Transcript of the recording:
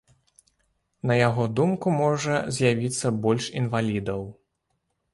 На яго думку, можа з'явіцца больш інвалідаў.